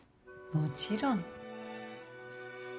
もちろん。